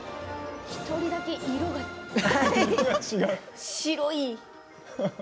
１人だけ色が白い。